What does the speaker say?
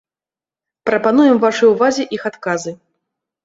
Прапануем вашай увазе іх адказы.